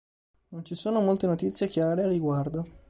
Non ci sono molte notizie chiare al riguardo.